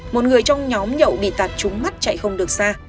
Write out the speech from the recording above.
một người trong nhóm nhậu bị tạt trúng mắt chạy không được xa